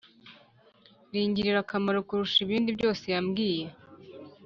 ringirira akamaro kurusha ibindi byose yambwiye